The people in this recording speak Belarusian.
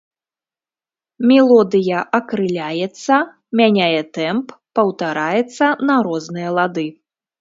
Мелодыя акрыляецца, мяняе тэмп, паўтараецца на розныя лады.